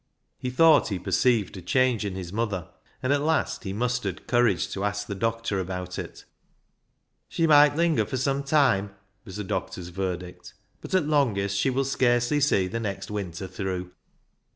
He thought he perceived a change in his mother, and at last he mustered courage to ask the doctor about it. " She might linger for some time," was the doctor's verdict, " but at longest she will scarcely see the next winter through."